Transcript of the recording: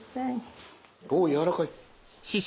お軟らかい。